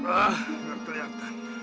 ah gak kelihatan